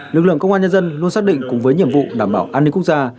lực lượng công an nhân dân luôn xác định cùng với nhiệm vụ đảm bảo an ninh quốc gia